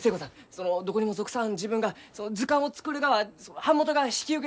そのどこにも属さん自分が図鑑を作るがは版元が引き受けてくれません。